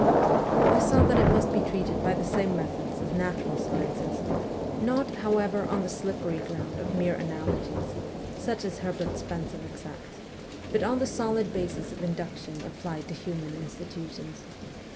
I saw that it must be treated by the same methods as natural sciences ; not, however, on the slippery ground of mere analogies, such as Herbert Spencer accepts, but on the solid basis of induction applied to human institutions.